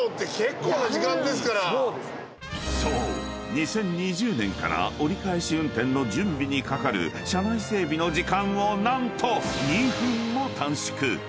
２０２０年から折り返し運転の準備にかかる車内整備の時間を何と］